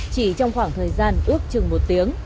chỉ trong khoảng thời gian ước chừng một tiếng